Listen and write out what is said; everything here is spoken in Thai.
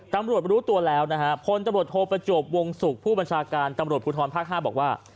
ตำรวจรู้ตัวแล้วนะครับคนตำรวจโทรไปจบวงสุขผู้บัญชาการตำรวจภูทรภาค๕บอกว่า